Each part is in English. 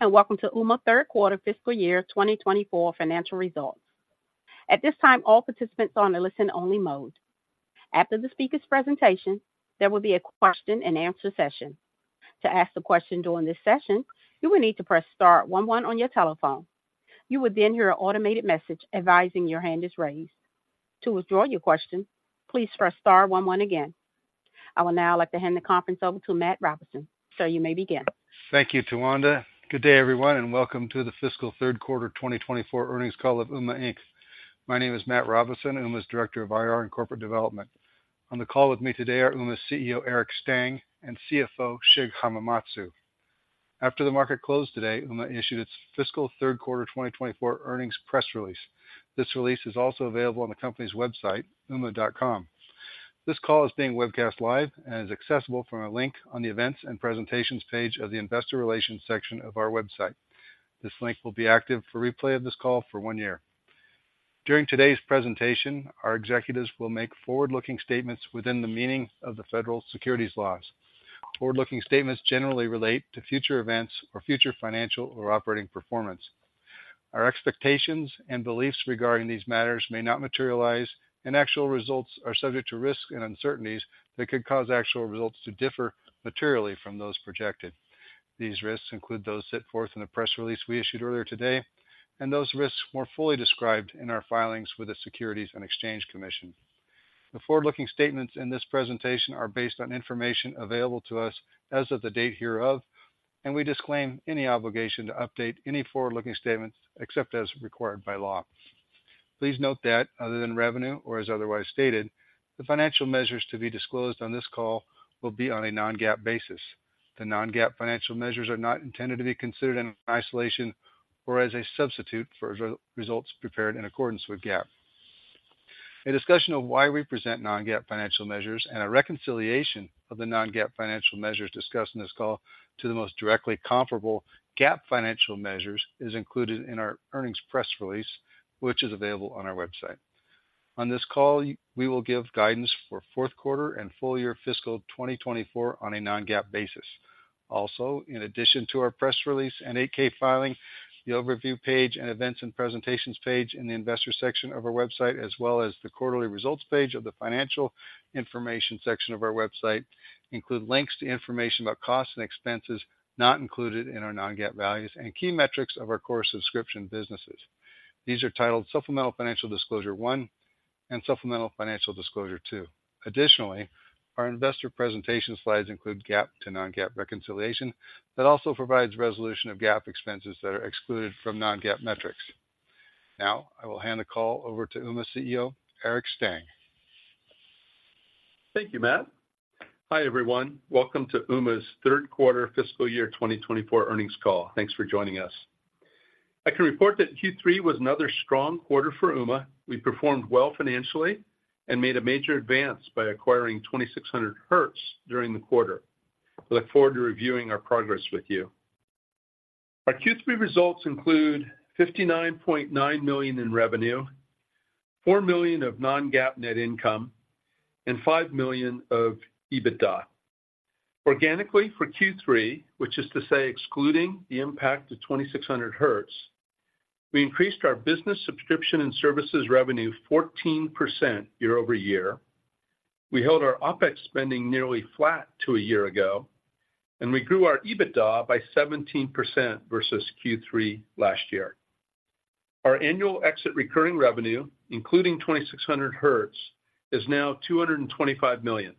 Hello, and welcome to Ooma third quarter fiscal year 2024 financial results. At this time, all participants are on a listen-only mode. After the speaker's presentation, there will be a question and answer session. To ask a question during this session, you will need to press star one one on your telephone. You will then hear an automated message advising your hand is raised. To withdraw your question, please press star one one again. I will now like to hand the conference over to Matt Robison. Sir, you may begin. Thank you, Tawanda. Good day, everyone, and welcome to the fiscal third quarter 2024 earnings call of Ooma, Inc. My name is Matt Robison, Ooma's Director of IR and Corporate Development. On the call with me today are Ooma's CEO, Eric Stang, and CFO, Shig Hamamatsu. After the market closed today, Ooma issued its fiscal third quarter 2024 earnings press release. This release is also available on the company's website, ooma.com. This call is being webcast live and is accessible from a link on the Events and Presentations page of the Investor Relations section of our website. This link will be active for replay of this call for 1 year. During today's presentation, our executives will make forward-looking statements within the meaning of the federal securities laws. Forward-looking statements generally relate to future events or future financial or operating performance. Our expectations and beliefs regarding these matters may not materialize, and actual results are subject to risks and uncertainties that could cause actual results to differ materially from those projected. These risks include those set forth in the press release we issued earlier today, and those risks more fully described in our filings with the Securities and Exchange Commission. The forward-looking statements in this presentation are based on information available to us as of the date hereof, and we disclaim any obligation to update any forward-looking statements except as required by law. Please note that other than revenue or as otherwise stated, the financial measures to be disclosed on this call will be on a non-GAAP basis. The non-GAAP financial measures are not intended to be considered in isolation or as a substitute for results prepared in accordance with GAAP. A discussion of why we present non-GAAP financial measures and a reconciliation of the non-GAAP financial measures discussed in this call to the most directly comparable GAAP financial measures is included in our earnings press release, which is available on our website. On this call, we will give guidance for fourth quarter and full year fiscal 2024 on a non-GAAP basis. Also, in addition to our press release and 8-K filing, the Overview page and Events and Presentations page in the Investor section of our website, as well as the Quarterly Results page of the Financial Information section of our website, include links to information about costs and expenses not included in our non-GAAP values and key metrics of our core subscription businesses. These are titled Supplemental Financial Disclosure One and Supplemental Financial Disclosure Two. Additionally, our investor presentation slides include GAAP to non-GAAP reconciliation that also provides resolution of GAAP expenses that are excluded from non-GAAP metrics. Now, I will hand the call over to Ooma CEO, Eric Stang. Thank you, Matt. Hi, everyone. Welcome to Ooma's third quarter fiscal year 2024 earnings call. Thanks for joining us. I can report that Q3 was another strong quarter for Ooma. We performed well financially and made a major advance by acquiring 2600Hz during the quarter. I look forward to reviewing our progress with you. Our Q3 results include $59.9 million in revenue, $4 million of non-GAAP net income, and $5 million of EBITDA. Organically for Q3, which is to say, excluding the impact of 2600Hz, we increased our business subscription and services revenue 14% year-over-year. We held our OPEX spending nearly flat to a year ago, and we grew our EBITDA by 17% versus Q3 last year. Our annual exit recurring revenue, including 2600Hz, is now $225 million.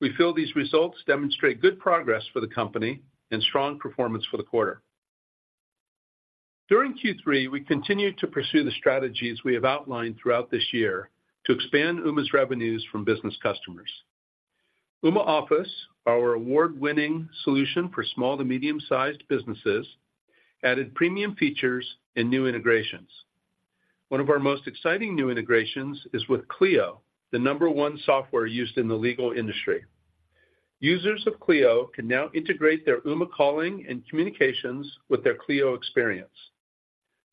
We feel these results demonstrate good progress for the company and strong performance for the quarter. During Q3, we continued to pursue the strategies we have outlined throughout this year to expand Ooma's revenues from business customers. Ooma Office, our award-winning solution for small to medium-sized businesses, added premium features and new integrations. One of our most exciting new integrations is with Clio, the number one software used in the legal industry. Users of Clio can now integrate their Ooma calling and communications with their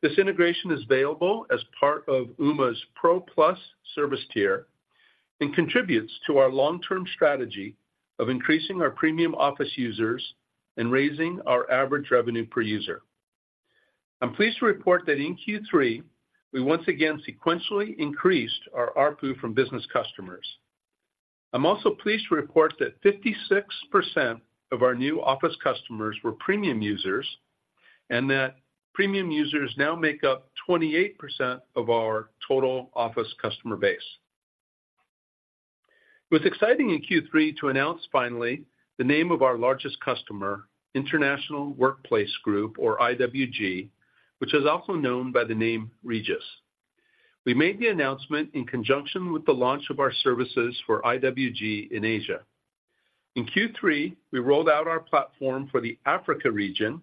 Clio experience. This integration is available as part of Ooma's Pro Plus service tier and contributes to our long-term strategy of increasing our premium office users and raising our average revenue per user. I'm pleased to report that in Q3, we once again sequentially increased our ARPU from business customers. I'm also pleased to report that 56% of our new office customers were premium users and that premium users now make up 28% of our total office customer base. It was exciting in Q3 to announce finally the name of our largest customer, International Workplace Group, or IWG, which is also known by the name Regus. We made the announcement in conjunction with the launch of our services for IWG in Asia. In Q3, we rolled out our platform for the Africa region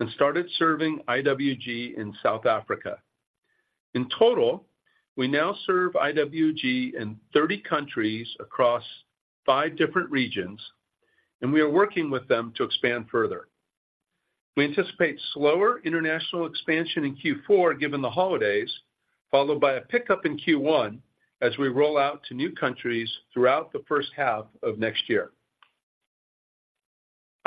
and started serving IWG in South Africa. In total, we now serve IWG in 30 countries across five different regions, and we are working with them to expand further. We anticipate slower international expansion in Q4, given the holidays, followed by a pickup in Q1 as we roll out to new countries throughout the first half of next year.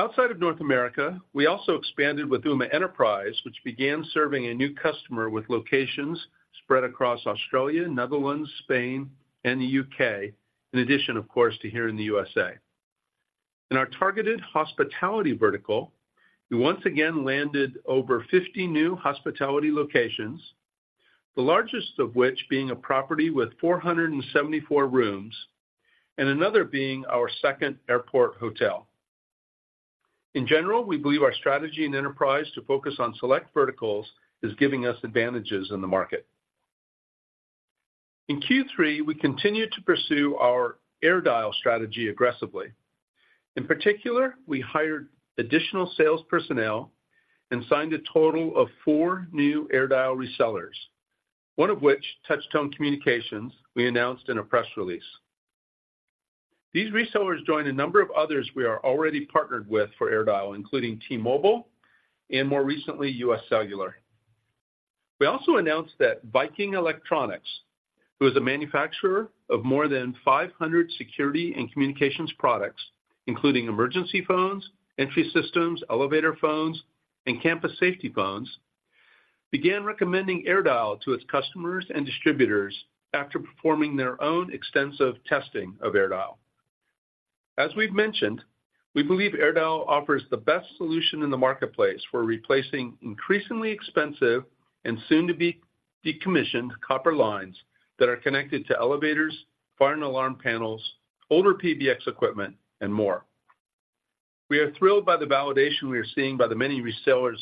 Outside of North America, we also expanded with Ooma Enterprise, which began serving a new customer with locations spread across Australia, Netherlands, Spain, and the U.K., in addition, of course, to here in the USA. In our targeted hospitality vertical, we once again landed over 50 new hospitality locations, the largest of which being a property with 474 rooms and another being our second airport hotel. In general, we believe our strategy and enterprise to focus on select verticals is giving us advantages in the market. In Q3, we continued to pursue our AirDial strategy aggressively. In particular, we hired additional sales personnel and signed a total of 4 new AirDial resellers, one of which, TouchTone Communications, we announced in a press release. These resellers join a number of others we are already partnered with for AirDial, including T-Mobile and more recently, US Cellular. We also announced that Viking Electronics, who is a manufacturer of more than 500 security and communications products, including emergency phones, entry systems, elevator phones, and campus safety phones, began recommending AirDial to its customers and distributors after performing their own extensive testing of AirDial. As we've mentioned, we believe AirDial offers the best solution in the marketplace for replacing increasingly expensive and soon-to-be decommissioned copper lines that are connected to elevators, fire and alarm panels, older PBX equipment, and more. We are thrilled by the validation we are seeing by the many resellers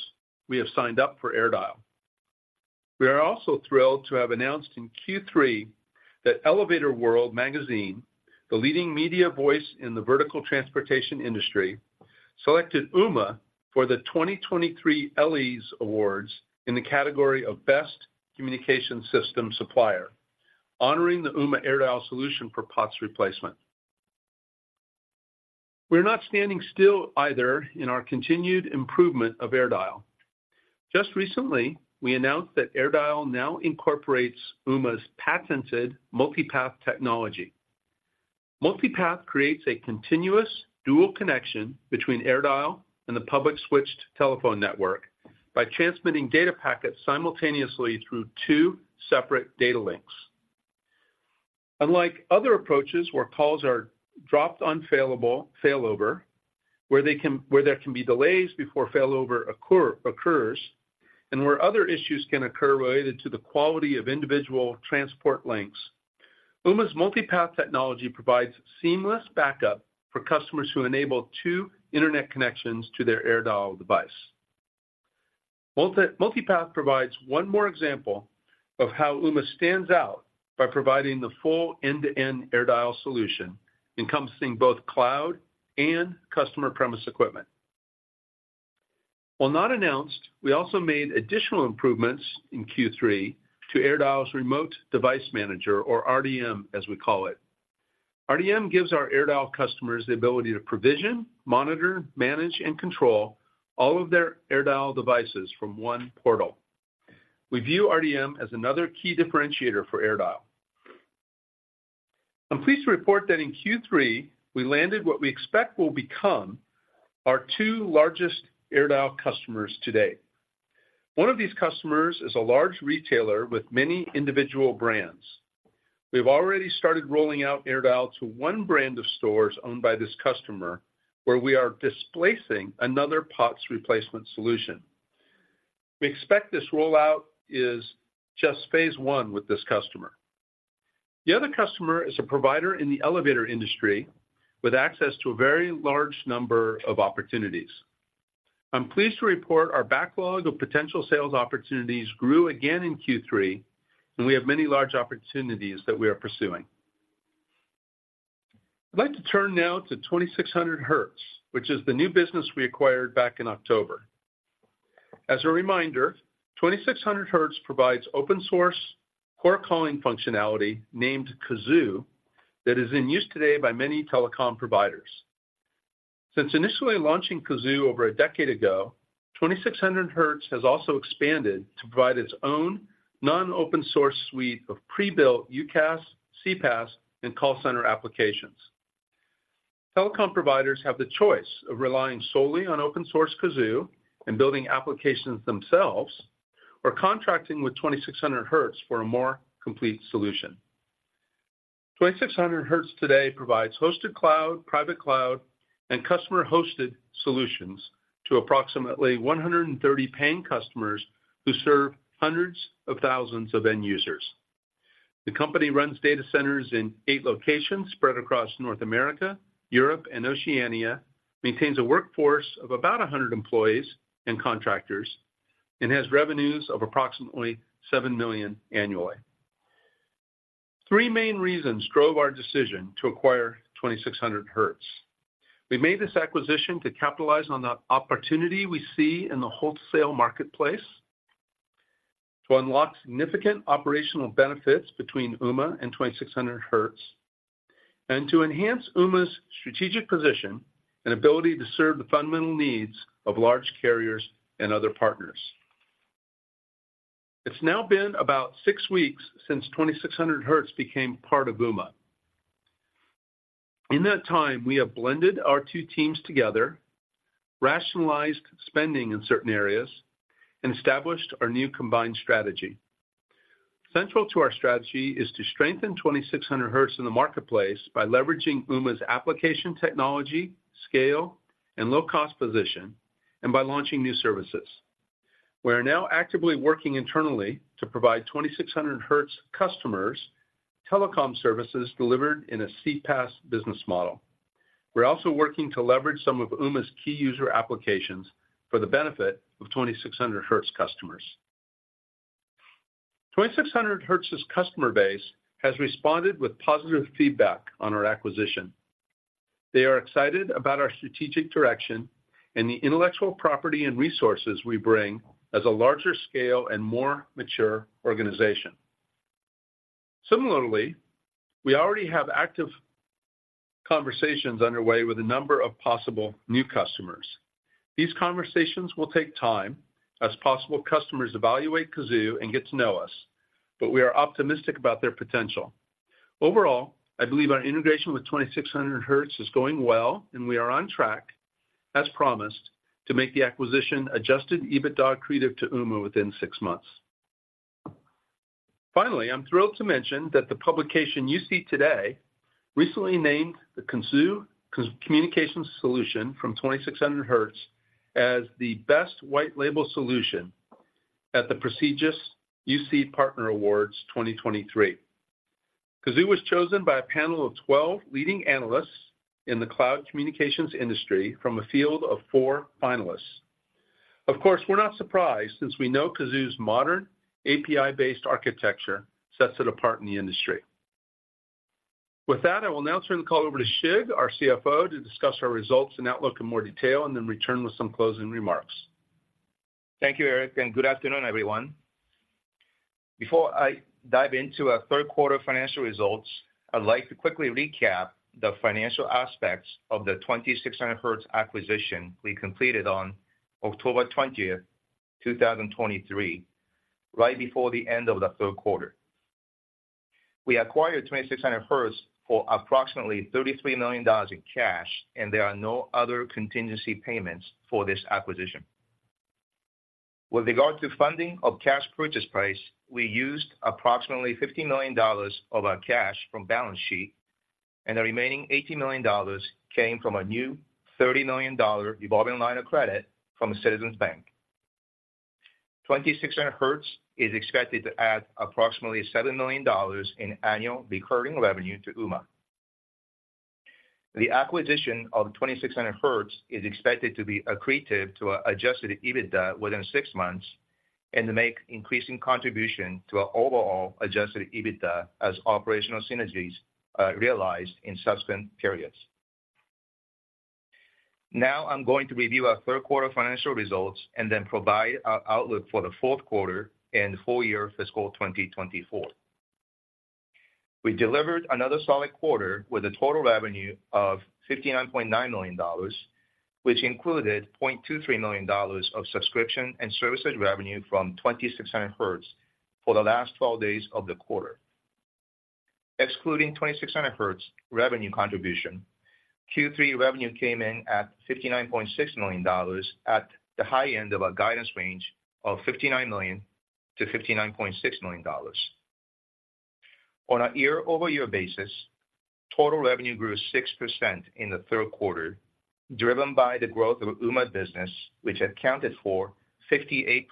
we have signed up for AirDial. We are also thrilled to have announced in Q3 that Elevator World Magazine, the leading media voice in the vertical transportation industry, selected Ooma for the 2023 Ellies Awards in the category of Best Communication System Supplier, honoring the Ooma AirDial solution for POTS replacement. We're not standing still either in our continued improvement of AirDial. Just recently, we announced that AirDial now incorporates Ooma's patented MultiPath technology. MultiPath creates a continuous dual connection between AirDial and the public switched telephone network by transmitting data packets simultaneously through two separate data links. Unlike other approaches, where calls are dropped on failover, where they can—where there can be delays before failover occurs, and where other issues can occur related to the quality of individual transport links, Ooma's MultiPath technology provides seamless backup for customers who enable two internet connections to their AirDial device. MultiPath provides one more example of how Ooma stands out by providing the full end-to-end AirDial solution, encompassing both cloud and customer premise equipment. While not announced, we also made additional improvements in Q3 to AirDial's Remote Device Manager, or RDM, as we call it. RDM gives our AirDial customers the ability to provision, monitor, manage, and control all of their AirDial devices from one portal. We view RDM as another key differentiator for AirDial. I'm pleased to report that in Q3, we landed what we expect will become our two largest AirDial customers today. One of these customers is a large retailer with many individual brands. We've already started rolling out AirDial to one brand of stores owned by this customer, where we are displacing another POTS replacement solution. We expect this rollout is just phase one with this customer. The other customer is a provider in the elevator industry with access to a very large number of opportunities. I'm pleased to report our backlog of potential sales opportunities grew again in Q3, and we have many large opportunities that we are pursuing. I'd like to turn now to 2600Hz, which is the new business we acquired back in October. As a reminder, 2600Hz provides open source core calling functionality, named KAZOO, that is in use today by many telecom providers. Since initially launching KAZOO over a decade ago, 2600Hz has also expanded to provide its own non-open source suite of pre-built UCaaS, CPaaS, and call center applications. Telecom providers have the choice of relying solely on open source KAZOO and building applications themselves, or contracting with 2600Hz for a more complete solution. 2600Hz today provides hosted cloud, private cloud, and customer-hosted solutions to approximately 130 paying customers who serve hundreds of thousands of end users. The company runs data centers in 8 locations spread across North America, Europe, and Oceania, maintains a workforce of about 100 employees and contractors, and has revenues of approximately $7 million annually. 3 main reasons drove our decision to acquire 2600Hz. We made this acquisition to capitalize on the opportunity we see in the wholesale marketplace, to unlock significant operational benefits between Ooma and 2600Hz, and to enhance Ooma's strategic position and ability to serve the fundamental needs of large carriers and other partners. It's now been about 6 weeks since 2600Hz became part of Ooma. In that time, we have blended our two teams together, rationalized spending in certain areas, and established our new combined strategy. Central to our strategy is to strengthen 2600Hz in the marketplace by leveraging Ooma's application technology, scale, and low-cost position, and by launching new services. We are now actively working internally to provide 2600Hz customers telecom services delivered in a CPaaS business model. We're also working to leverage some of Ooma's key user applications for the benefit of 2600Hz customers. 2600Hz's customer base has responded with positive feedback on our acquisition. They are excited about our strategic direction and the intellectual property and resources we bring as a larger scale and more mature organization. Similarly, we already have active conversations underway with a number of possible new customers. These conversations will take time as possible customers evaluate KAZOO and get to know us, but we are optimistic about their potential. Overall, I believe our integration with 2600Hz is going well, and we are on track, as promised, to make the acquisition adjusted EBITDA accretive to Ooma within six months. Finally, I'm thrilled to mention that the publication you see today recently named the KAZOO Communications Solution from 2600Hz as the best white label solution at the prestigious UC Partner Awards 2023. KAZOO was chosen by a panel of 12 leading analysts in the cloud communications industry from a field of four finalists. Of course, we're not surprised, since we know KAZOO's modern, API-based architecture sets it apart in the industry. With that, I will now turn the call over to Shig, our CFO, to discuss our results and outlook in more detail, and then return with some closing remarks. Thank you, Eric, and good afternoon, everyone. Before I dive into our third quarter financial results, I'd like to quickly recap the financial aspects of the 2600Hz acquisition we completed on October 20, 2023, right before the end of the third quarter. We acquired 2600Hz for approximately $33 million in cash, and there are no other contingency payments for this acquisition. With regard to funding of cash purchase price, we used approximately $50 million of our cash from balance sheet, and the remaining $80 million came from a new $30 million revolving line of credit from Citizens Bank. 2600Hz is expected to add approximately $7 million in annual recurring revenue to Ooma. The acquisition of 2600Hz is expected to be accretive to our adjusted EBITDA within six months and to make increasing contribution to our overall adjusted EBITDA as operational synergies are realized in subsequent periods. Now I'm going to review our third quarter financial results and then provide our outlook for the fourth quarter and full year fiscal 2024. We delivered another solid quarter with a total revenue of $59.9 million, which included $0.23 million of subscription and services revenue from 2600Hz for the last twelve days of the quarter. Excluding 2600Hz revenue contribution, Q3 revenue came in at $59.6 million, at the high end of our guidance range of $59 million-$59.6 million. On a year-over-year basis, total revenue grew 6% in the third quarter, driven by the growth of Ooma business, which accounted for 58%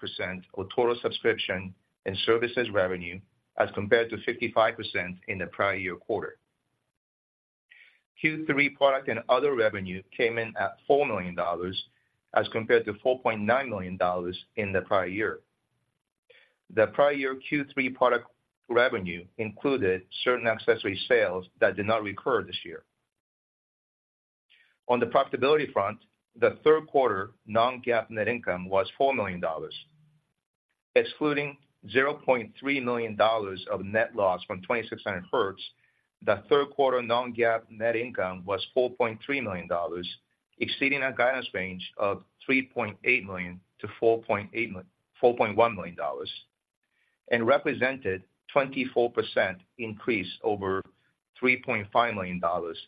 of total subscription and services revenue, as compared to 55% in the prior year quarter. Q3 product and other revenue came in at $4 million, as compared to $4.9 million in the prior year. The prior year Q3 product revenue included certain accessory sales that did not recur this year. On the profitability front, the third quarter non-GAAP net income was $4 million. Excluding $0.3 million of net loss from 2600Hz, the third quarter non-GAAP net income was $4.3 million, exceeding our guidance range of $3.8 million-$4.8 million—$4.1 million, and represented 24% increase over $3.5 million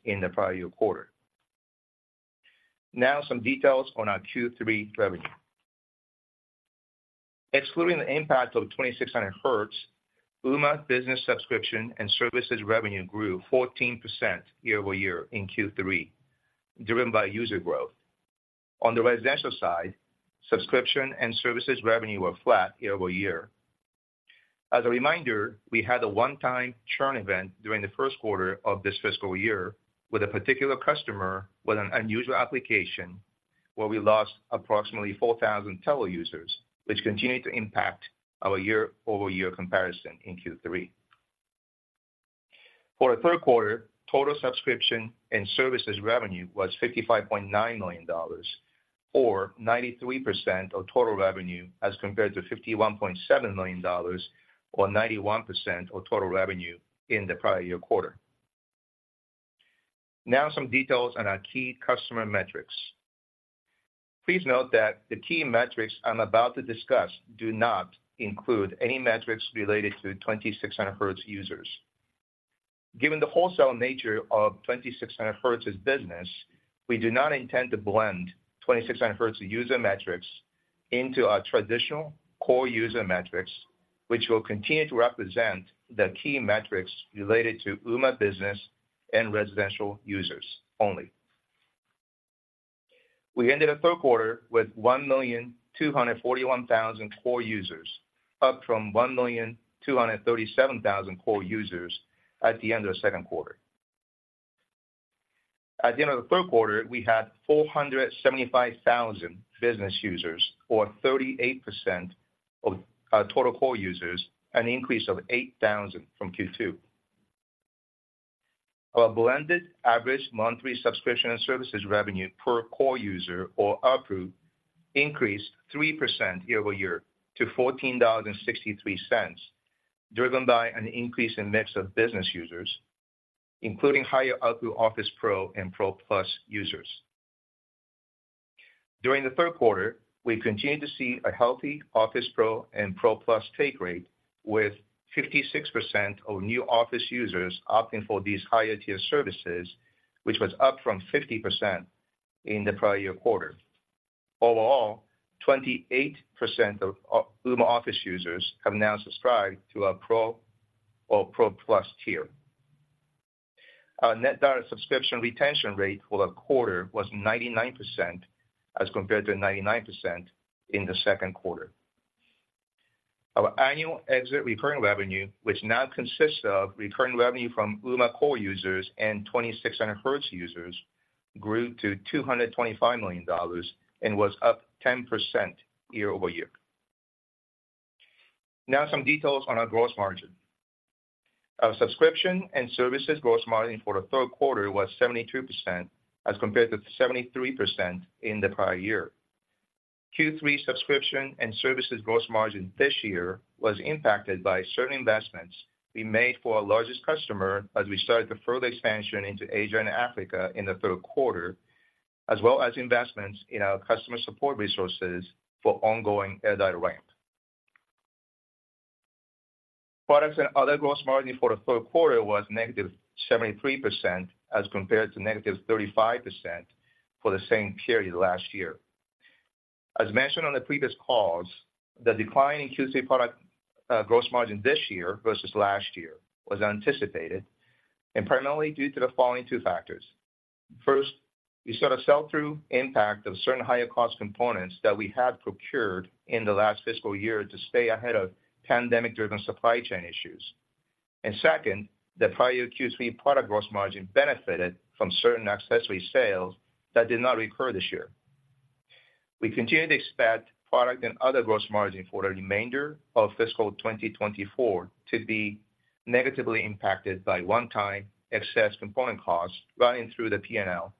in the prior year quarter. Now, some details on our Q3 revenue. Excluding the impact of 2600Hz, Ooma business subscription and services revenue grew 14% year-over-year in Q3, driven by user growth. On the residential side, subscription and services revenue were flat year-over-year. As a reminder, we had a one-time churn event during the first quarter of this fiscal year with a particular customer with an unusual application, where we lost approximately 4,000 Telo users, which continued to impact our year-over-year comparison in Q3. For the third quarter, total subscription and services revenue was $55.9 million, or 93% of total revenue, as compared to $51.7 million, or 91% of total revenue in the prior year quarter. Now some details on our key customer metrics. Please note that the key metrics I'm about to discuss do not include any metrics related to 2600Hz users. Given the wholesale nature of 2600Hz's business, we do not intend to blend 2600Hz user metrics into our traditional core user metrics, which will continue to represent the key metrics related to Ooma business and residential users only. We ended the third quarter with 1,241,000 core users, up from 1,237,000 core users at the end of the second quarter. At the end of the third quarter, we had 475,000 business users, or 38% of our total core users, an increase of 8,000 from Q2. Our blended average monthly subscription and services revenue per core user or ARPU increased 3% year-over-year to $14.63, driven by an increase in mix of business users, including higher ARPU Office Pro and Pro Plus users. During the third quarter, we continued to see a healthy Office Pro and Pro Plus take rate, with 56% of new Office users opting for these higher-tier services, which was up from 50% in the prior year quarter. Overall, 28% of Ooma Office users have now subscribed to our Pro or Pro Plus tier. Our net dollar subscription retention rate for the quarter was 99%, as compared to 99% in the second quarter. Our annual exit recurring revenue, which now consists of recurring revenue from Ooma core users and 2600Hz users, grew to $225 million and was up 10% year-over-year. Now some details on our gross margin. Our subscription and services gross margin for the third quarter was 72%, as compared to 73% in the prior year. Q3 subscription and services gross margin this year was impacted by certain investments we made for our largest customer as we started the further expansion into Asia and Africa in the third quarter, as well as investments in our customer support resources for ongoing AirDial ramp. Products and other gross margin for the third quarter was -73%, as compared to -35% for the same period last year. As mentioned on the previous calls, the decline in Q3 product gross margin this year versus last year was anticipated and primarily due to the following two factors. First, we saw the sell-through impact of certain higher-cost components that we had procured in the last fiscal year to stay ahead of pandemic-driven supply chain issues. And second, the prior Q3 product gross margin benefited from certain accessory sales that did not recur this year. We continue to expect product and other gross margin for the remainder of fiscal 2024 to be negatively impacted by one-time excess component costs running through the PNL,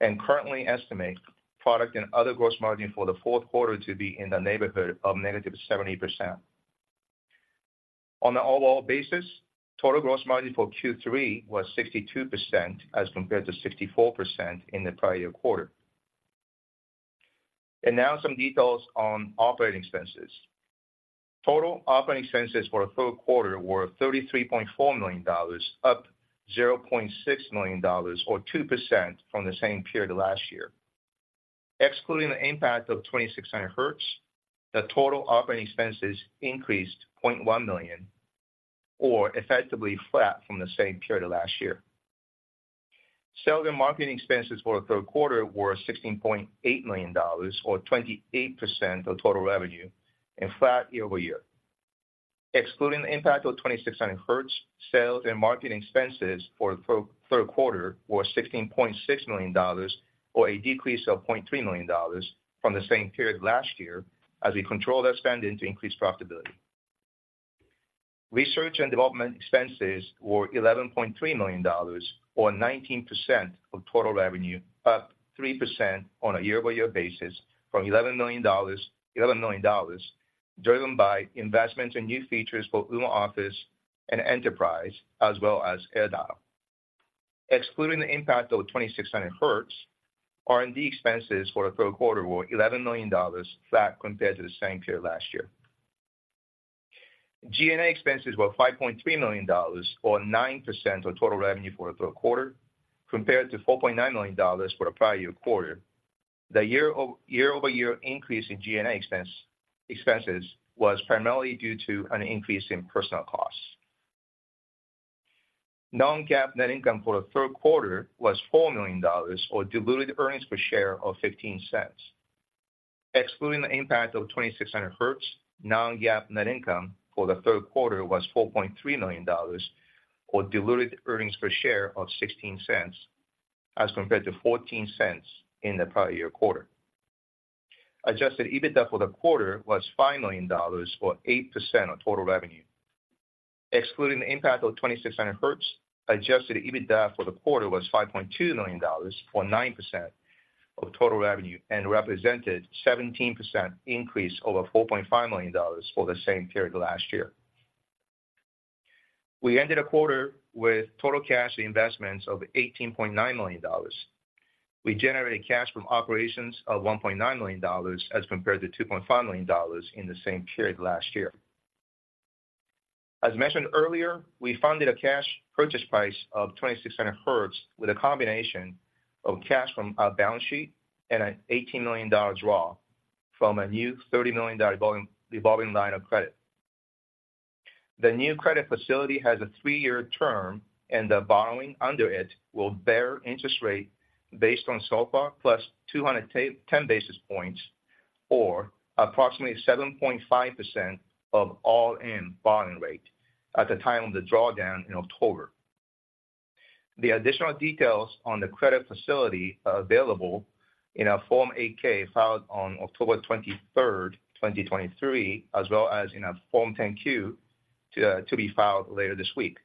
and currently estimate product and other gross margin for the fourth quarter to be in the neighborhood of -70%. On an overall basis, total gross margin for Q3 was 62% as compared to 64% in the prior-year quarter. Now some details on operating expenses. Total operating expenses for the third quarter were $33.4 million, up $0.6 million, or 2% from the same period last year. Excluding the impact of 2600Hz, the total operating expenses increased $0.1 million, or effectively flat from the same period last year. Sales and marketing expenses for the third quarter were $16.8 million, or 28% of total revenue, and flat year-over-year. Excluding the impact of 2600Hz, sales and marketing expenses for the third quarter were $16.6 million, or a decrease of $0.3 million from the same period last year as we controlled our spending to increase profitability. Research and development expenses were $11.3 million, or 19% of total revenue, up 3% on a year-over-year basis from $11 million, $11 million, driven by investments in new features for Ooma Office and Enterprise, as well as AirDial. Excluding the impact of 2600Hz, R&D expenses for the third quarter were $11 million, flat compared to the same period last year. G&A expenses were $5.3 million, or 9% of total revenue for the third quarter, compared to $4.9 million for the prior year quarter. The year-over-year increase in G&A expenses was primarily due to an increase in personnel costs. Non-GAAP net income for the third quarter was $4 million, or diluted earnings per share of $0.15. Excluding the impact of 2600Hz, non-GAAP net income for the third quarter was $4.3 million, or diluted earnings per share of $0.16, as compared to $0.14 in the prior year quarter. Adjusted EBITDA for the quarter was $5 million, or 8% of total revenue.... excluding the impact of 2600Hz, adjusted EBITDA for the quarter was $5.2 million, or 9% of total revenue, and represented 17% increase over $4.5 million for the same period last year. We ended the quarter with total cash investments of $18.9 million. We generated cash from operations of $1.9 million, as compared to $2.5 million in the same period last year. As mentioned earlier, we funded a cash purchase price of 2600Hz with a combination of cash from our balance sheet and an $18 million draw from a new $30 million revolving line of credit. The new credit facility has a 3-year term, and the borrowing under it will bear interest rate based on SOFR plus two hundred and ten basis points, or approximately 7.5% all-in borrowing rate at the time of the drawdown in October. The additional details on the credit facility are available in our Form 8-K, filed on October 23, 2023, as well as in our Form 10-Q, to be filed later this week.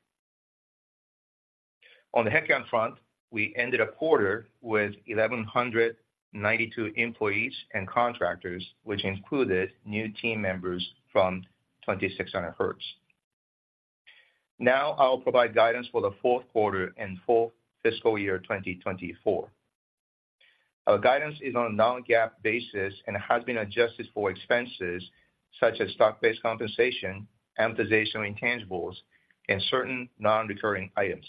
On the headcount front, we ended the quarter with 1,192 employees and contractors, which included new team members from 2600Hz. Now I'll provide guidance for the fourth quarter and full fiscal year 2024. Our guidance is on a non-GAAP basis and has been adjusted for expenses such as stock-based compensation, amortization of intangibles, and certain non-recurring items.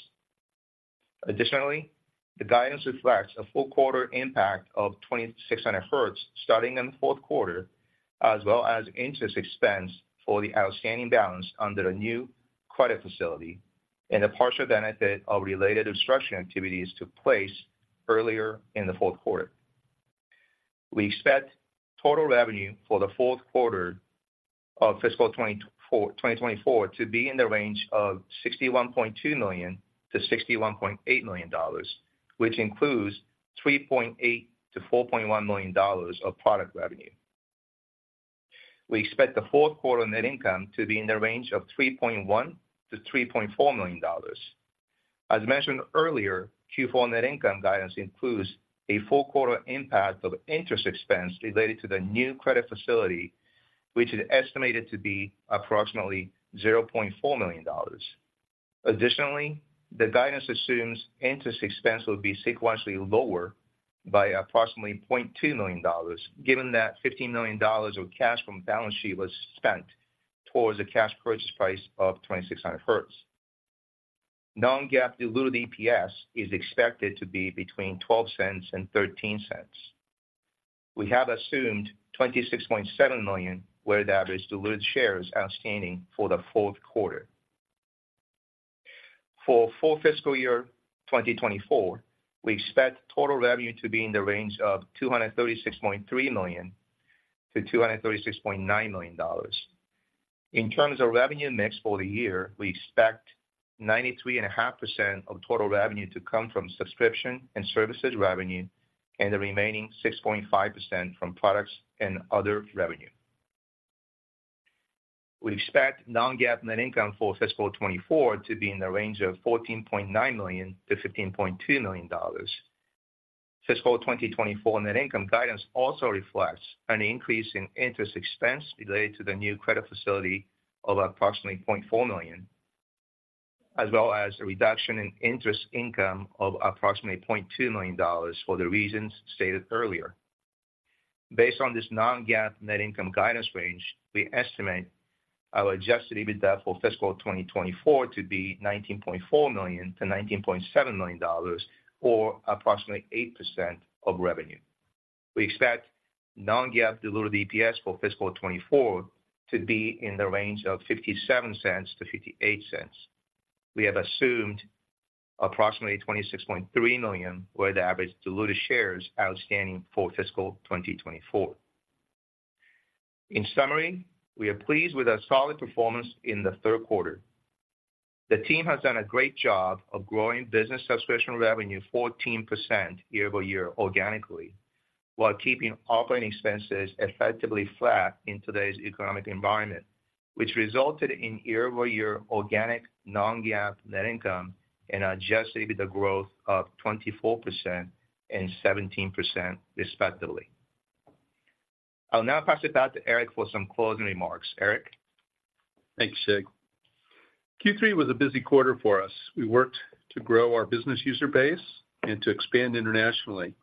Additionally, the guidance reflects a full quarter impact of 2600Hz starting in the fourth quarter, as well as interest expense for the outstanding balance under the new credit facility and the partial benefit of related acquisition activities took place earlier in the fourth quarter. We expect total revenue for the fourth quarter of fiscal 2024 to be in the range of $61.2 million-$61.8 million, which includes $3.8-$4.1 million of product revenue. We expect the fourth quarter net income to be in the range of $3.1-$3.4 million. As mentioned earlier, Q4 net income guidance includes a full quarter impact of interest expense related to the new credit facility, which is estimated to be approximately $0.4 million. Additionally, the guidance assumes interest expense will be sequentially lower by approximately $0.2 million, given that $15 million of cash from balance sheet was spent towards the cash purchase price of 2600Hz. Non-GAAP diluted EPS is expected to be between $0.12 and $0.13. We have assumed 26.7 million weighted average diluted shares outstanding for the fourth quarter. For full fiscal year 2024, we expect total revenue to be in the range of $236.3 million-$236.9 million. In terms of revenue mix for the year, we expect 93.5% of total revenue to come from subscription and services revenue, and the remaining 6.5% from products and other revenue. We expect non-GAAP net income for fiscal 2024 to be in the range of $14.9 million-$15.2 million. Fiscal 2024 net income guidance also reflects an increase in interest expense related to the new credit facility of approximately $0.4 million, as well as a reduction in interest income of approximately $0.2 million for the reasons stated earlier. Based on this non-GAAP net income guidance range, we estimate our adjusted EBITDA for fiscal 2024 to be $19.4 million-$19.7 million, or approximately 8% of revenue. We expect non-GAAP diluted EPS for fiscal 2024 to be in the range of $0.57-$0.58. We have assumed approximately 26.3 million weighted average diluted shares outstanding for fiscal 2024. In summary, we are pleased with our solid performance in the third quarter. The team has done a great job of growing business subscription revenue 14% year-over-year organically, while keeping operating expenses effectively flat in today's economic environment, which resulted in year-over-year organic non-GAAP net income and adjusted EBITDA growth of 24% and 17% respectively. I'll now pass it back to Eric for some closing remarks. Eric? Thanks, Shig. Q3 was a busy quarter for us. We worked to grow our business user base and to expand internationally.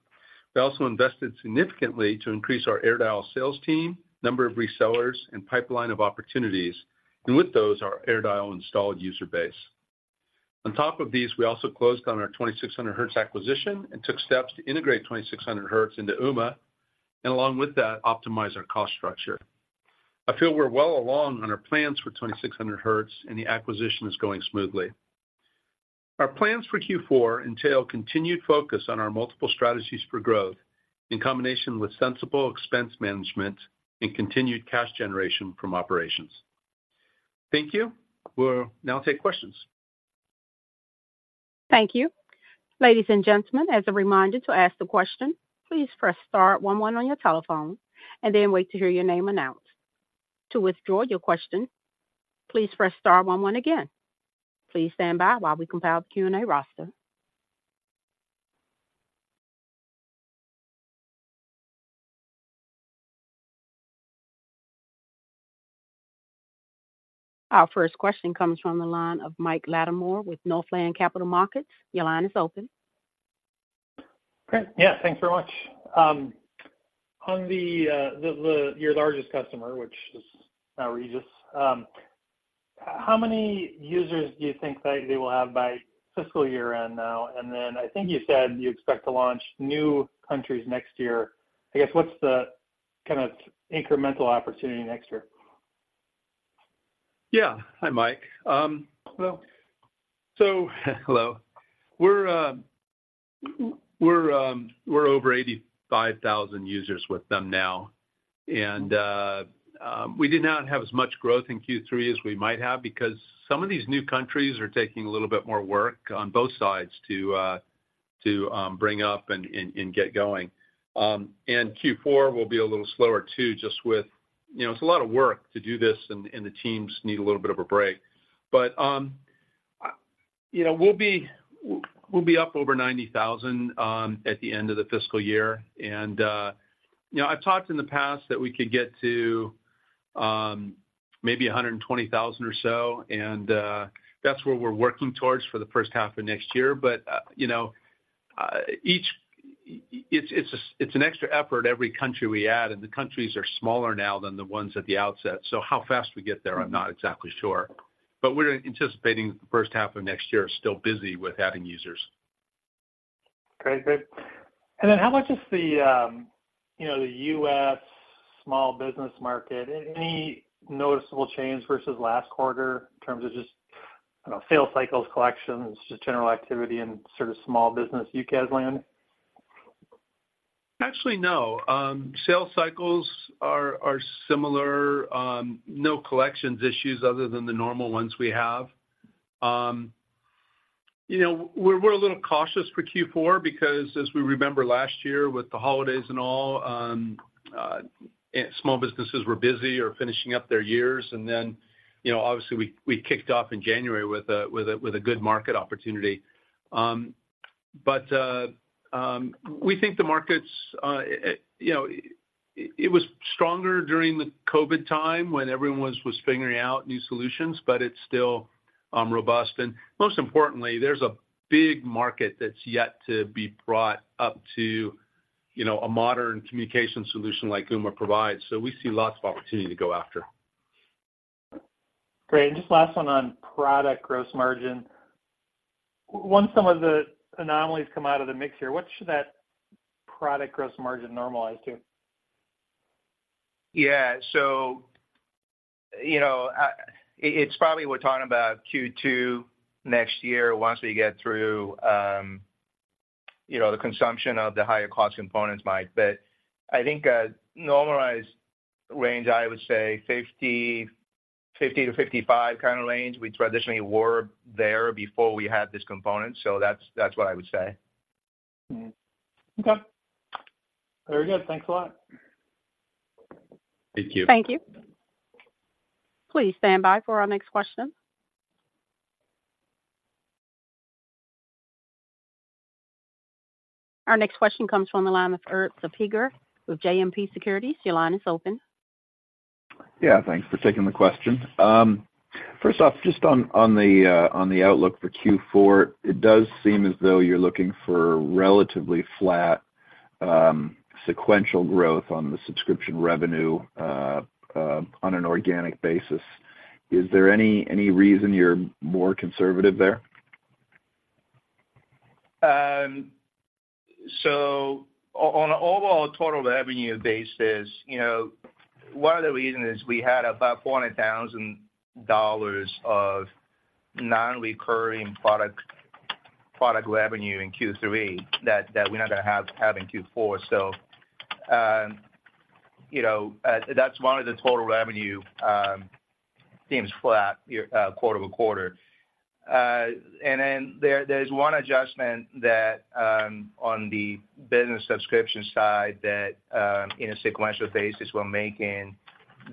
We also invested significantly to increase our AirDial sales team, number of resellers, and pipeline of opportunities, and with those, our AirDial installed user base. On top of these, we also closed on our 2600Hz acquisition and took steps to integrate 2600Hz into Ooma, and along with that, optimize our cost structure. I feel we're well along on our plans for 2600Hz, and the acquisition is going smoothly. Our plans for Q4 entail continued focus on our multiple strategies for growth, in combination with sensible expense management and continued cash generation from operations. Thank you. We'll now take questions.... Thank you. Ladies and gentlemen, as a reminder, to ask the question, please press star one one on your telephone and then wait to hear your name announced. To withdraw your question, please press star one one again. Please stand by while we compile the Q&A roster. Our first question comes from the line of Mike Latimore with Northland Capital Markets. Your line is open. Great. Yeah, thanks very much. On your largest customer, which is now Regus, how many users do you think that they will have by fiscal year-end now? And then I think you said you expect to launch new countries next year. I guess, what's the kind of incremental opportunity next year? Yeah. Hi, Mike. Well, so, hello. We're over 85,000 users with them now. And we did not have as much growth in Q3 as we might have because some of these new countries are taking a little bit more work on both sides to bring up and get going. And Q4 will be a little slower, too, just with... You know, it's a lot of work to do this, and the teams need a little bit of a break. But you know, we'll be up over 90,000 at the end of the fiscal year. And, you know, I've talked in the past that we could get to, maybe 120,000 or so, and, that's where we're working towards for the first half of next year. But, you know, each, it's, it's an extra effort, every country we add, and the countries are smaller now than the ones at the outset. So how fast we get there, I'm not exactly sure. But we're anticipating the first half of next year is still busy with adding users. Great. Great. And then how much is the, you know, the US small business market? Any noticeable change versus last quarter in terms of just, I don't know, sales cycles, collections, just general activity in sort of small business you guys land? Actually, no. Sales cycles are similar. No collections issues other than the normal ones we have. You know, we're a little cautious for Q4 because as we remember last year, with the holidays and all, small businesses were busy or finishing up their years. And then, you know, obviously, we kicked off in January with a good market opportunity. But we think the markets, you know, it was stronger during the COVID time when everyone was figuring out new solutions, but it's still robust. And most importantly, there's a big market that's yet to be brought up to a modern communication solution like Ooma provides, so we see lots of opportunity to go after. Great. Just last one on product gross margin. Once some of the anomalies come out of the mix here, what should that product gross margin normalize to? Yeah. So, you know, it's probably we're talking about Q2 next year, once we get through, you know, the consumption of the higher-cost components, Mike. But I think a normalized range, I would say 50-55 kind of range. We traditionally were there before we had this component, so that's, that's what I would say. Mm-hmm. Okay. Very good. Thanks a lot. Thank you. Thank you. Please stand by for our next question. Our next question comes from the line of Eric Martinuzzi with Lake Street Capital Markets. Your line is open. Yeah, thanks for taking the question. First off, just on the outlook for Q4, it does seem as though you're looking for relatively flat sequential growth on the subscription revenue on an organic basis. Is there any reason you're more conservative there? So, on an overall total revenue basis, you know, one of the reason is we had about $400,000 of non-recurring product revenue in Q3 that we're not gonna have in Q4. So, you know, that's one of the total revenue seems flat quarter-over-quarter. And then there's one adjustment that on the business subscription side that in a sequential basis we're making,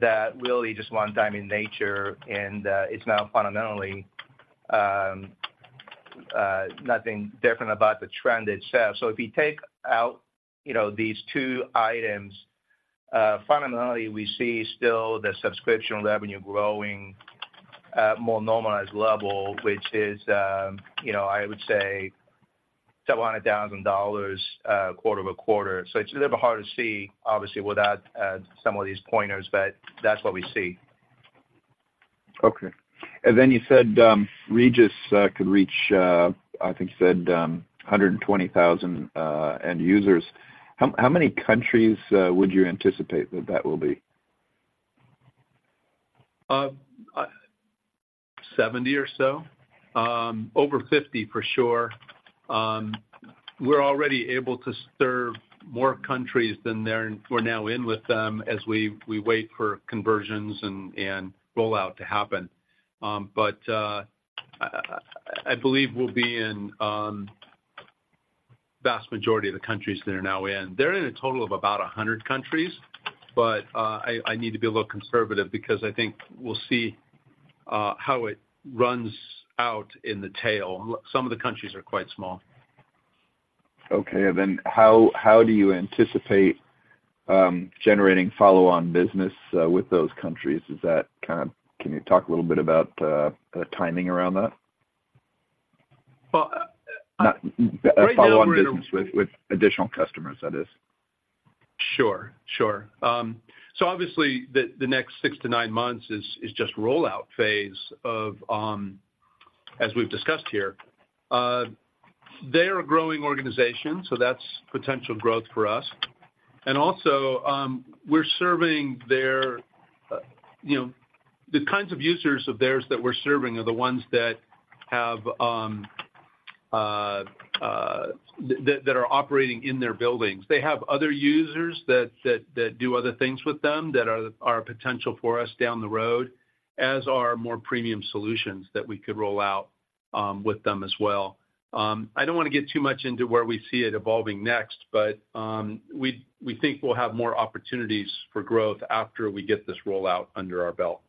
that really just one-time in nature, and it's not fundamentally nothing different about the trend itself. So if you take out these two items, fundamentally, we see still the subscription revenue growing at more normalized level, which is, you know, I would say, $700,000 quarter-over-quarter. It's a little bit hard to see, obviously, without some of these pointers, but that's what we see. Okay. And then you said, Regus could reach, I think you said, 120,000 end users. How many countries would you anticipate that will be? 70 or so. Over 50, for sure. We're already able to serve more countries than they're—we're now in with them as we wait for conversions and rollout to happen. I believe we'll be in vast majority of the countries that are now in. They're in a total of about 100 countries, but I need to be a little conservative because I think we'll see how it runs out in the tail. Some of the countries are quite small. Okay, and then how do you anticipate generating follow-on business with those countries? Is that kind of-- Can you talk a little bit about the timing around that? Well, right now we're- Follow-on business with additional customers, that is. Sure, sure. So obviously, the next 6-9 months is just rollout phase of, as we've discussed here. They're a growing organization, so that's potential growth for us. And also, we're serving their, you know, the kinds of users of theirs that we're serving are the ones that have, that are operating in their buildings. They have other users that do other things with them, that are potential for us down the road, as are more premium solutions that we could roll out with them as well. I don't wanna get too much into where we see it evolving next, but, we think we'll have more opportunities for growth after we get this rollout under our belt.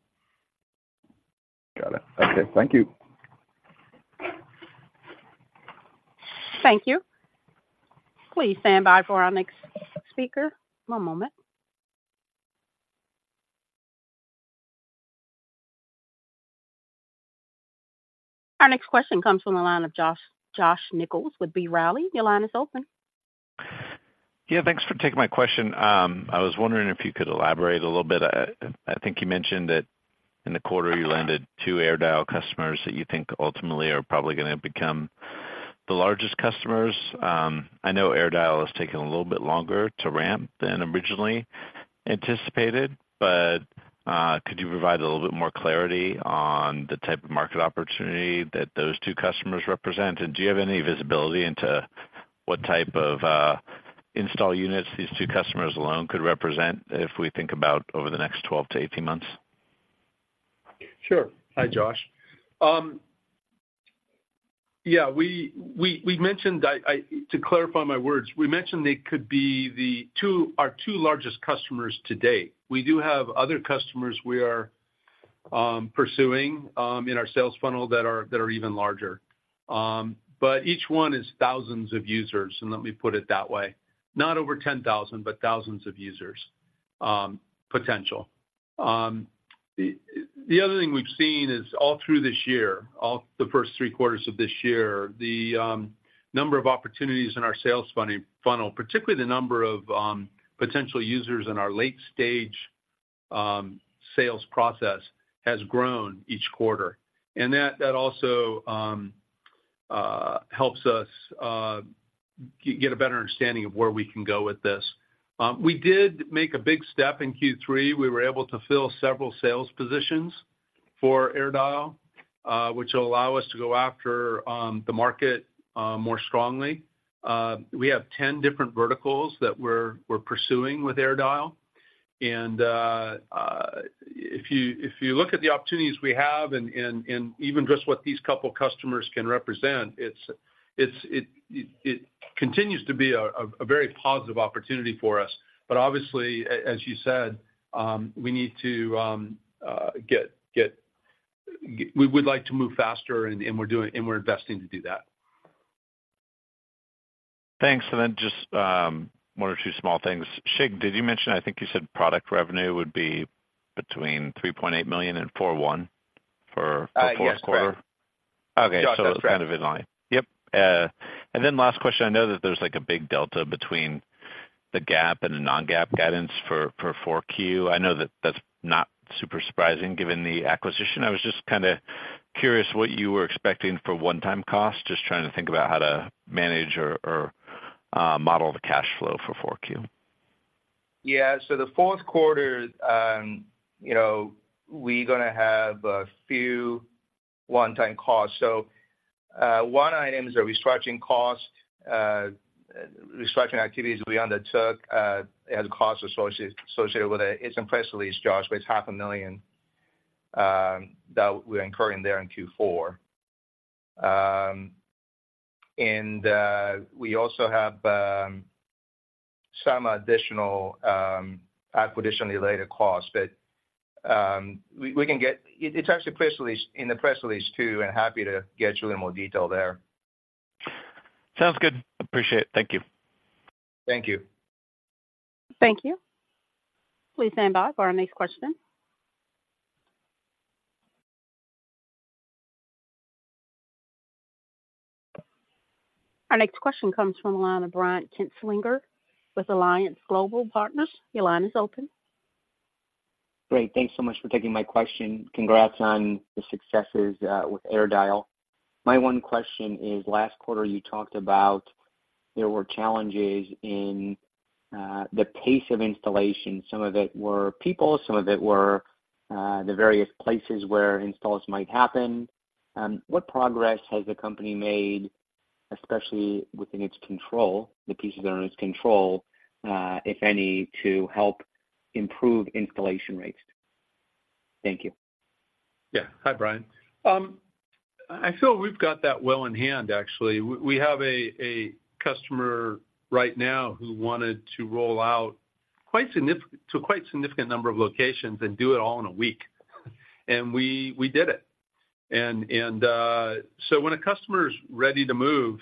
Got it. Okay. Thank you. Thank you. Please stand by for our next speaker. One moment. Our next question comes from the line of Josh, Josh Nichols with B. Riley. Your line is open. Yeah, thanks for taking my question. I was wondering if you could elaborate a little bit. I think you mentioned that in the quarter, you landed two AirDial customers that you think ultimately are probably gonna become the largest customers. I know AirDial has taken a little bit longer to ramp than originally anticipated, but, could you provide a little bit more clarity on the type of market opportunity that those two customers represent? And do you have any visibility into what type of, install units these two customers alone could represent if we think about over the next 12-18 months? Sure. Hi, Josh. Yeah, to clarify my words, we mentioned they could be our two largest customers to date. We do have other customers we are pursuing in our sales funnel that are even larger. But each one is thousands of users, and let me put it that way. Not over 10,000, but thousands of users, potential. The other thing we've seen is all through this year, all the first three quarters of this year, the number of opportunities in our sales funnel, particularly the number of potential users in our late-stage sales process, has grown each quarter. And that also helps us get a better understanding of where we can go with this. We did make a big step in Q3. We were able to fill several sales positions for AirDial, which will allow us to go after the market more strongly. We have 10 different verticals that we're pursuing with AirDial. And if you look at the opportunities we have and even just what these couple customers can represent, it continues to be a very positive opportunity for us. But obviously, as you said, we need to get. We would like to move faster, and we're investing to do that. Thanks. Then just one or two small things. Shig, did you mention? I think you said product revenue would be between $3.8 million and $4.1 million for the fourth quarter? Yes, correct. Okay. Josh, that's correct. So it's kind of in line. Yep, and then last question. I know that there's like a big delta between the GAAP and the non-GAAP guidance for 4Q. I know that that's not super surprising, given the acquisition. I was just kind of curious what you were expecting for one-time costs. Just trying to think about how to manage or model the cash flow for 4Q. Yeah, so the fourth quarter, you know, we're gonna have a few one-time costs. So, one item is a restructuring cost, restructuring activities we undertook, as costs associated with it. It's in the press release, Josh, but it's $500,000 that we're incurring there in Q4. And, we also have some additional acquisition-related costs. But, we can get it; it's actually in the press release, too, and happy to get you a little more detail there. Sounds good. Appreciate it. Thank you. Thank you. Thank you. Please stand by for our next question. Our next question comes from the line of Brian Kinstlinger with Alliance Global Partners. Your line is open. Great. Thanks so much for taking my question. Congrats on the successes with AirDial. My one question is, last quarter, you talked about there were challenges in-... the pace of installation. Some of it were people, some of it were the various places where installs might happen. What progress has the company made, especially within its control, the pieces that are in its control, if any, to help improve installation rates? Thank you. Yeah. Hi, Brian. I feel we've got that well in hand, actually. We have a customer right now who wanted to roll out to a quite significant number of locations and do it all in a week, and we did it. So when a customer is ready to move,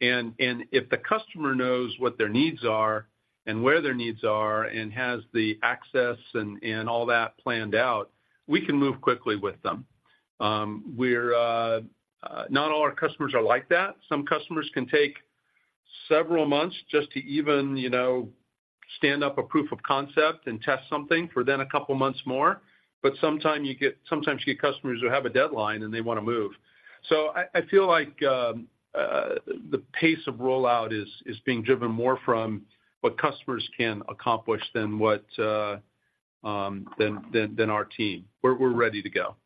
and if the customer knows what their needs are and where their needs are, and has the access and all that planned out, we can move quickly with them. Not all our customers are like that. Some customers can take several months just to even, you know, stand up a proof of concept and test something for then a couple months more, but sometimes you get customers who have a deadline, and they want to move. So I feel like the pace of rollout is being driven more from what customers can accomplish than what our team. We're ready to go.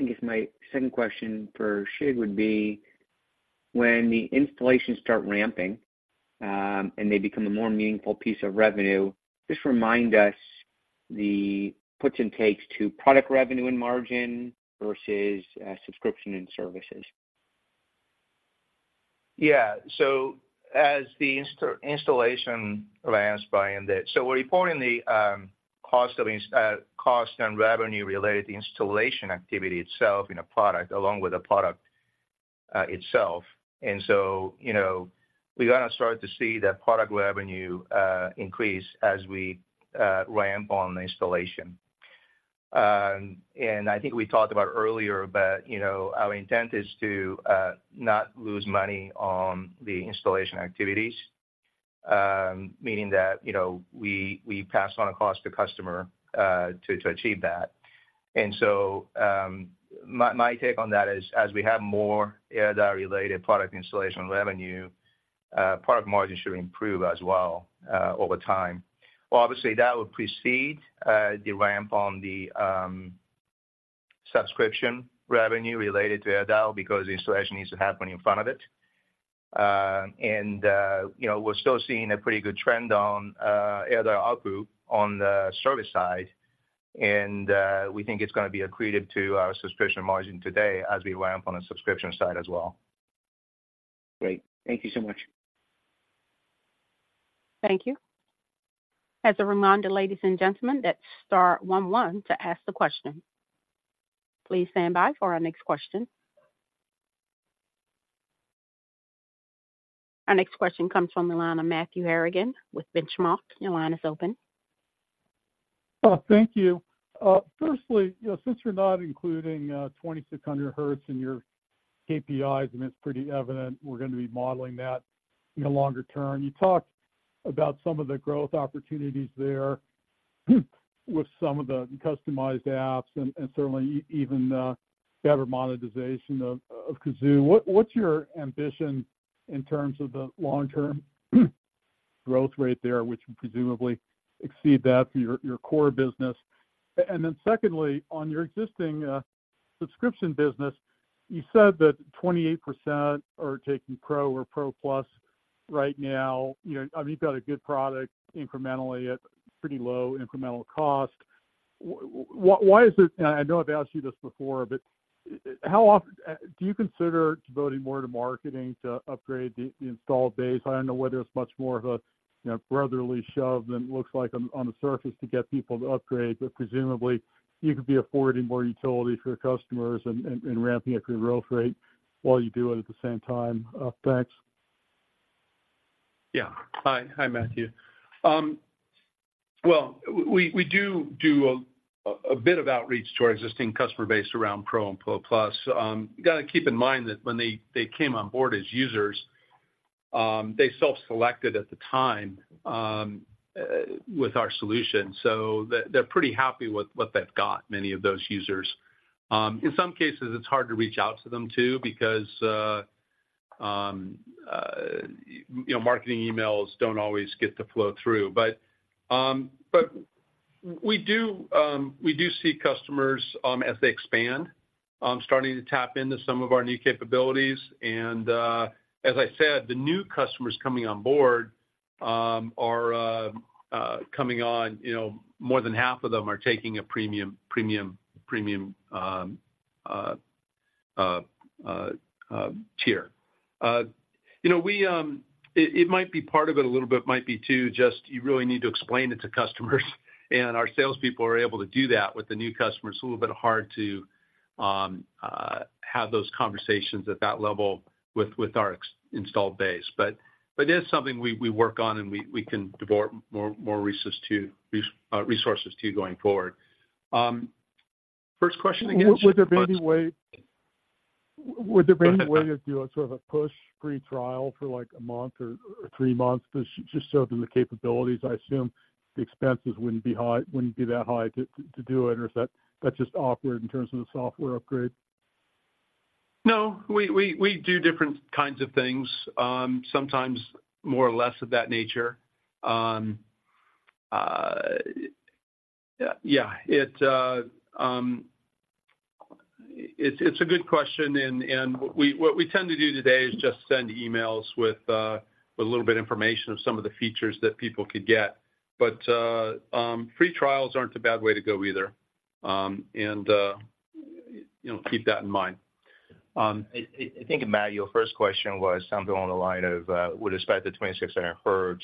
I guess my second question for Shig would be: When the installations start ramping, and they become a more meaningful piece of revenue, just remind us the puts and takes to product revenue and margin versus, subscription and services? Yeah. So as the installation ramps, Brian. So we're reporting the cost and revenue related to installation activity itself in a product, along with the product itself. And so, you know, we're gonna start to see that product revenue increase as we ramp on the installation. And I think we talked about earlier, but, you know, our intent is to not lose money on the installation activities, meaning that, you know, we pass on a cost to customer to achieve that. And so, my take on that is, as we have more AirDial-related product installation revenue, product margin should improve as well over time. Obviously, that would precede the ramp on the subscription revenue related to AirDial because the installation needs to happen in front of it. You know, we're still seeing a pretty good trend on AirDial ARPU on the service side, and we think it's gonna be accretive to our subscription margin today as we ramp on the subscription side as well. Great. Thank you so much. Thank you. As a reminder, ladies and gentlemen, that's star one one to ask the question. Please stand by for our next question. Our next question comes from the line of Matthew Harrigan with Benchmark. Your line is open. Oh, thank you. Firstly, you know, since you're not including 2600Hz in your KPIs, and it's pretty evident we're gonna be modeling that in the longer term, you talked about some of the growth opportunities there with some of the customized apps and certainly even better monetization of KAZOO. What's your ambition in terms of the long-term growth rate there, which would presumably exceed that for your core business? And then secondly, on your existing subscription business, you said that 28% are taking Pro or Pro Plus right now. You know, I mean, you've got a good product incrementally at pretty low incremental cost. Why is it, and I know I've asked you this before, but how often do you consider devoting more to marketing to upgrade the installed base? I don't know whether it's much more of a, you know, brotherly shove than it looks like on the surface to get people to upgrade, but presumably, you could be affording more utility for your customers and ramping up your growth rate while you do it at the same time. Thanks. Yeah. Hi. Hi, Matthew. Well, we do a bit of outreach to our existing customer base around Pro and Pro Plus. You gotta keep in mind that when they came on board as users, they self-selected at the time with our solution, so they're pretty happy with what they've got, many of those users. In some cases, it's hard to reach out to them, too, because you know, marketing emails don't always get the flow through. But we do see customers as they expand, starting to tap into some of our new capabilities. And as I said, the new customers coming on board are coming on, you know, more than half of them are taking a premium tier. You know, we, it might be part of it, a little bit might be, too, just you really need to explain it to customers, and our salespeople are able to do that with the new customers. It's a little bit hard to have those conversations at that level with our installed base. But it is something we work on, and we can devote more resources to going forward. First question again? Would there be any way- Go ahead. Would there be any way to do a sort of a push free trial for, like, a month or, or three months to just show them the capabilities? I assume the expenses wouldn't be high, wouldn't be that high to do it, or is that, that's just awkward in terms of the software upgrade?... No, we do different kinds of things, sometimes more or less of that nature. Yeah, it's a good question, and we—what we tend to do today is just send emails with a little bit of information of some of the features that people could get. But, free trials aren't a bad way to go either. You know, keep that in mind. I think, Matt, your first question was something along the line of, with respect to 2600Hz,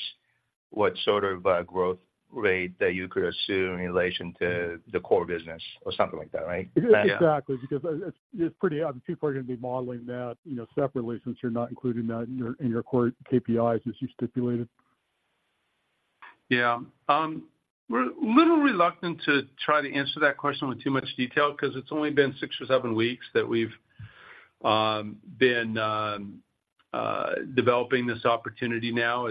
what sort of growth rate that you could assume in relation to the core business or something like that, right? Exactly. Because it's pretty obvious people are gonna be modeling that, you know, separately since you're not including that in your core KPIs, as you stipulated. Yeah. We're a little reluctant to try to answer that question with too much detail because it's only been six or seven weeks that we've been developing this opportunity now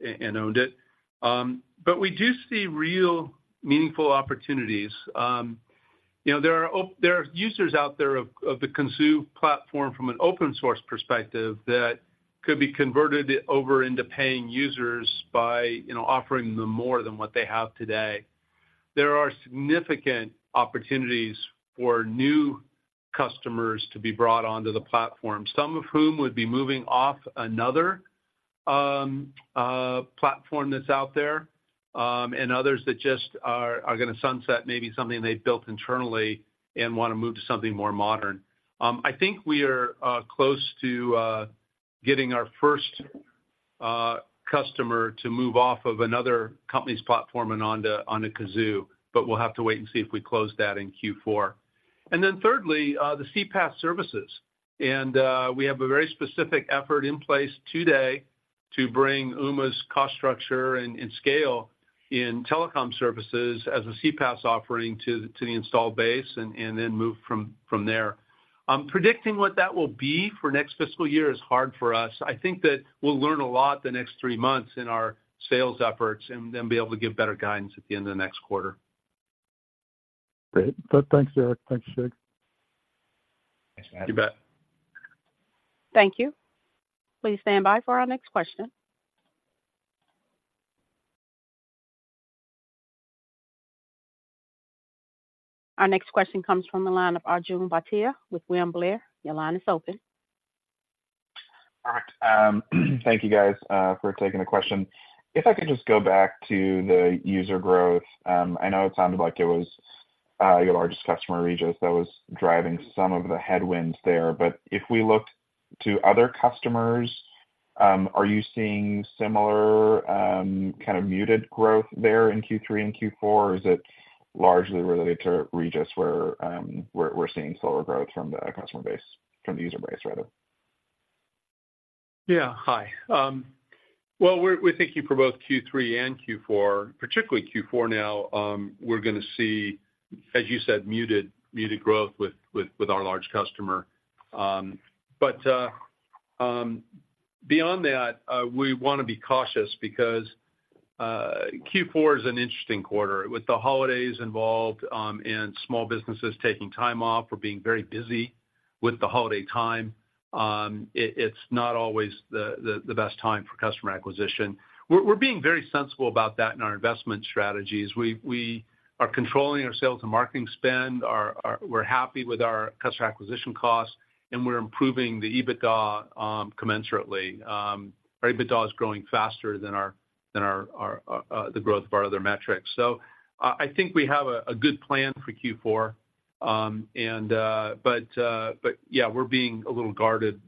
and owned it. But we do see real meaningful opportunities. You know, there are users out there of the KAZOO platform from an open source perspective that could be converted over into paying users by, you know, offering them more than what they have today. There are significant opportunities for new customers to be brought onto the platform, some of whom would be moving off another platform that's out there, and others that just are gonna sunset maybe something they've built internally and wanna move to something more modern. I think we are close to getting our first customer to move off of another company's platform and onto KAZOO, but we'll have to wait and see if we close that in Q4. And then thirdly, the CPaaS services. And we have a very specific effort in place today to bring Ooma's cost structure and scale in telecom services as a CPaaS offering to the installed base and then move from there. Predicting what that will be for next fiscal year is hard for us. I think that we'll learn a lot the next three months in our sales efforts and then be able to give better guidance at the end of the next quarter. Great. Well, thanks, Eric. Thanks, Shig. Thanks, Matt. You bet. Thank you. Please stand by for our next question. Our next question comes from the line of Arjun Bhatia with William Blair. Your line is open. All right. Thank you, guys, for taking the question. If I could just go back to the user growth. I know it sounded like it was your largest customer, Regus, that was driving some of the headwinds there. But if we looked to other customers, are you seeing similar kind of muted growth there in Q3 and Q4, or is it largely related to Regus, where we're seeing slower growth from the customer base, from the user base, rather? Yeah. Hi. Well, we're thinking for both Q3 and Q4, particularly Q4 now, we're gonna see, as you said, muted growth with our large customer. But beyond that, we wanna be cautious because Q4 is an interesting quarter. With the holidays involved, and small businesses taking time off or being very busy with the holiday time, it's not always the best time for customer acquisition. We're being very sensible about that in our investment strategies. We are controlling our sales and marketing spend. We're happy with our customer acquisition costs, and we're improving the EBITDA commensurately. Our EBITDA is growing faster than the growth of our other metrics. So I think we have a good plan for Q4. Yeah, we're being a little guarded,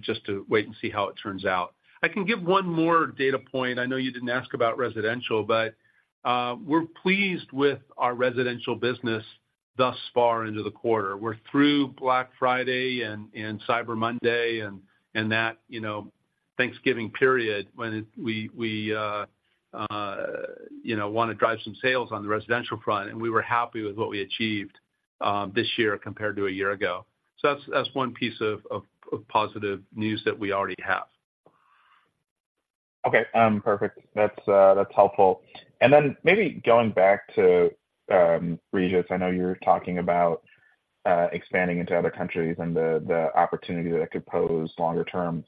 just to wait and see how it turns out. I can give one more data point. I know you didn't ask about residential, but we're pleased with our residential business thus far into the quarter. We're through Black Friday and Cyber Monday and that, you know, Thanksgiving period when we wanna drive some sales on the residential front, and we were happy with what we achieved this year compared to a year ago. So that's one piece of positive news that we already have. Okay. Perfect. That's, that's helpful. And then maybe going back to Regus. I know you're talking about expanding into other countries and the, the opportunity that it could pose longer term.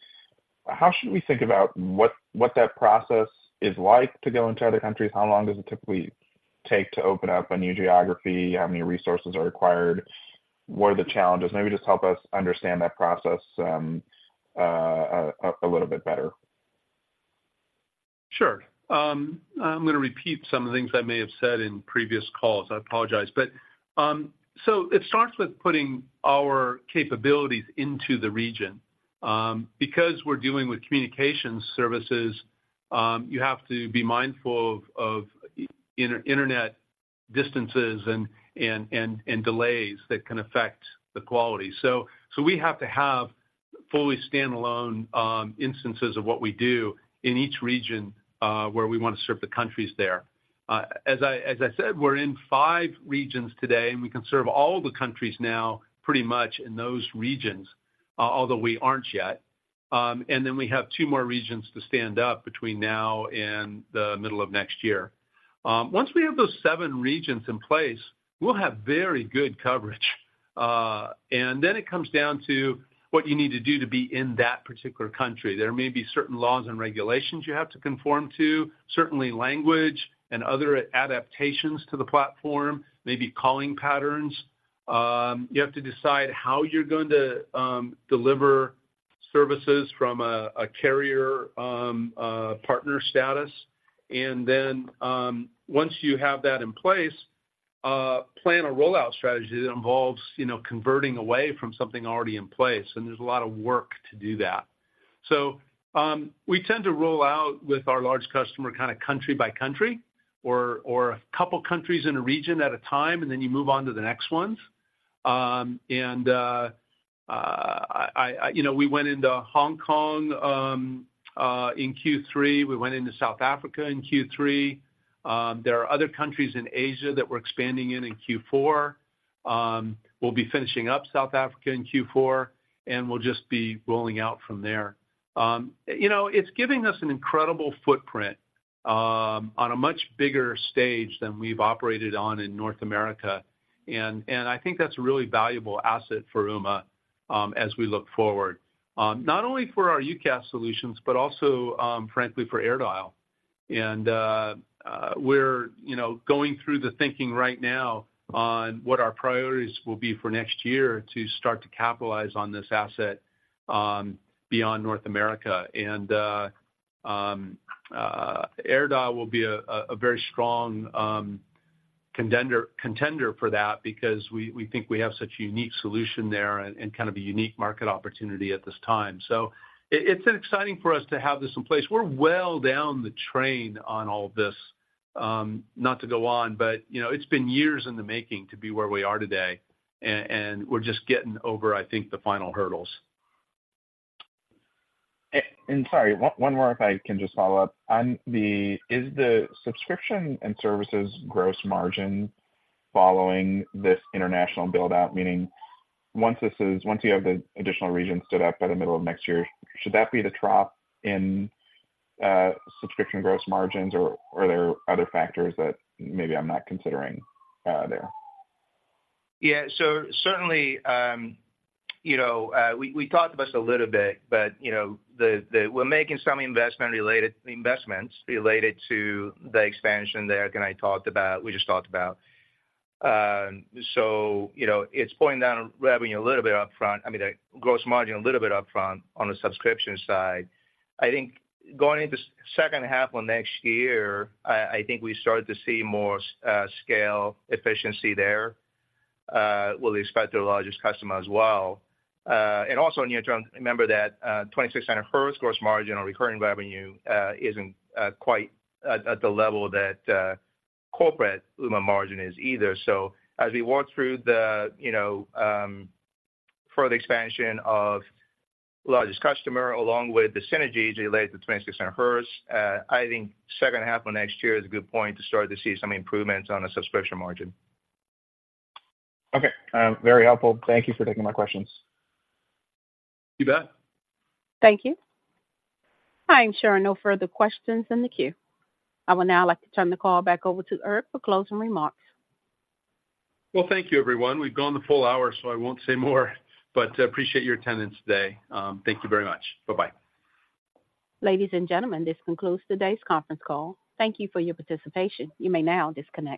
How should we think about what, what that process is like to go into other countries? How long does it typically take to open up a new geography? How many resources are required? What are the challenges? Maybe just help us understand that process a little bit better. Sure. I'm gonna repeat some of the things I may have said in previous calls. I apologize. But so it starts with putting our capabilities into the region. Because we're dealing with communication services, you have to be mindful of inter-internet distances and delays that can affect the quality. So we have to have fully standalone instances of what we do in each region where we want to serve the countries there. As I said, we're in five regions today, and we can serve all the countries now, pretty much in those regions, although we aren't yet. And then we have two more regions to stand up between now and the middle of next year... Once we have those seven regions in place, we'll have very good coverage. And then it comes down to what you need to do to be in that particular country. There may be certain laws and regulations you have to conform to, certainly language and other adaptations to the platform, maybe calling patterns. You have to decide how you're going to deliver services from a carrier partner status. And then, once you have that in place, plan a rollout strategy that involves, you know, converting away from something already in place, and there's a lot of work to do that. So, we tend to roll out with our large customer, kind of, country by country or a couple countries in a region at a time, and then you move on to the next ones. And, I, you know, we went into Hong Kong in Q3. We went into South Africa in Q3. There are other countries in Asia that we're expanding in, in Q4. We'll be finishing up South Africa in Q4, and we'll just be rolling out from there. You know, it's giving us an incredible footprint, on a much bigger stage than we've operated on in North America. And, and I think that's a really valuable asset for Ooma, as we look forward, not only for our UCaaS solutions, but also, frankly, for AirDial. And, we're, you know, going through the thinking right now on what our priorities will be for next year to start to capitalize on this asset, beyond North America. AirDial will be a very strong contender for that because we think we have such a unique solution there and kind of a unique market opportunity at this time. So it's exciting for us to have this in place. We're well down the train on all of this. Not to go on, but, you know, it's been years in the making to be where we are today, and we're just getting over, I think, the final hurdles. And sorry, one more if I can just follow up. On the... Is the subscription and services gross margin following this international build-out, meaning once you have the additional regions stood up by the middle of next year, should that be the trough in subscription gross margins, or are there other factors that maybe I'm not considering there? Yeah. So certainly, you know, we talked about this a little bit, but, you know, the-- we're making some investments related to the expansion that Eric and I talked about, we just talked about. So, you know, it's pulling down revenue a little bit upfront, I mean, the gross margin a little bit upfront on the subscription side. I think going into second half of next year, I think we start to see more, scale efficiency there, with respect to the largest customer as well. And also in the near term, remember that, 2600Hz gross margin on recurring revenue, isn't quite at, at the level that, corporate Ooma margin is either. So as we work through the, you know, further expansion of largest customer, along with the synergies related to 2600Hz, I think second half of next year is a good point to start to see some improvements on the subscription margin. Okay, very helpful. Thank you for taking my questions. You bet. Thank you. I am showing no further questions in the queue. I would now like to turn the call back over to Eric for closing remarks. Well, thank you, everyone. We've gone the full hour, so I won't say more, but appreciate your attendance today. Thank you very much. Bye-bye. Ladies and gentlemen, this concludes today's conference call. Thank you for your participation. You may now disconnect.